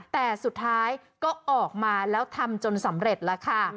แต่สุดท้ายก็ออกมาแล้วทำจนสำเร็จแล้วค่ะ